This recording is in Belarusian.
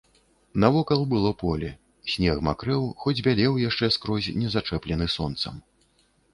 Навокал было поле, снег макрэў, хоць бялеў яшчэ скрозь, не зачэплены сонцам.